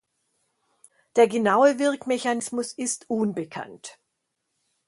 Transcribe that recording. Der genaue Wirkmechanismus ist unbekannt.